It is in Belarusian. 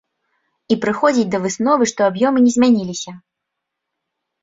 І прыходзіць да высновы, што аб'ёмы не змяніліся!